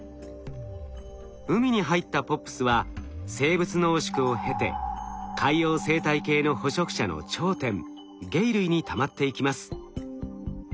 海に入ったＰＯＰｓは生物濃縮を経て海洋生態系の捕食者の頂点鯨類にたまっていきます。